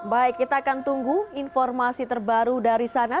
baik kita akan tunggu informasi terbaru dari sana